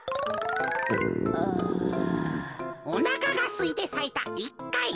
おなかがすいてさいた１かい。